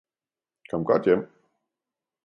Kom godt hjem!